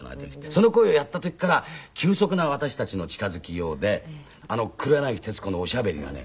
その声をやった時から急速な私たちの近づきようで黒柳徹子のおしゃべりがね